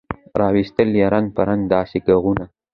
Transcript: را ایستل یې رنګ په رنګ داسي ږغونه